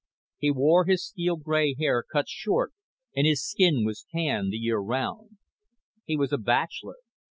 He wore his steel gray hair cut short and his skin was tan the year round. He was a bachelor.